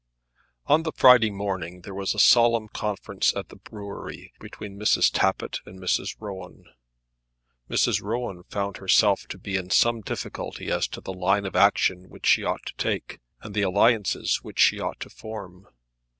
On the Friday morning there was a solemn conference at the brewery between Mrs. Tappitt and Mrs. Rowan. Mrs. Rowan found herself to be in some difficulty as to the line of action which she ought to take, and the alliances which she ought to form.